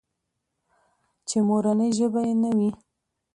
چې مورنۍ ژبه يې نه وي.